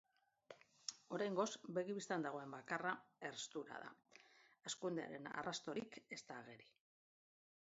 Oraingoz begibistan dagoen bakarra herstura da, hazkundearen arrastorik ez da ageri.